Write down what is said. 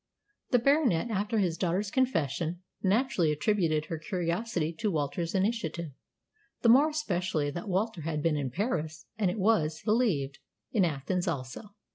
The Baronet, after his daughter's confession, naturally attributed her curiosity to Walter's initiative, the more especially that Walter had been in Paris, and, it was believed, in Athens also.